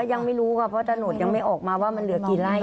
ยังไม่รู้ค่ะเพราะถนนยังไม่ออกมาว่ามันเหลือกี่ไร่